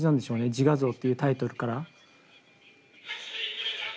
「自画像」っていうタイトルから。